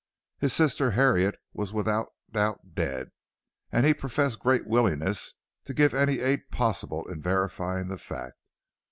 His sister Harriet was without doubt dead, and he professed great willingness to give any aid possible in verifying the fact.